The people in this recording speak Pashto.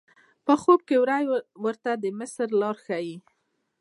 په خوب کې وری ورته د مصر لار ښیي.